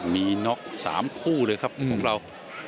มีน็อก๓คู่เลยครับของเรา